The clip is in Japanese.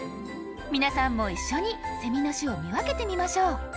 皆さんも一緒にセミの種を見分けてみましょう。